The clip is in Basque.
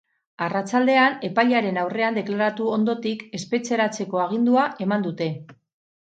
Arratsaldean, epailearen aurrean deklaratu ondotik, espetxeratzeko agindua eman dute.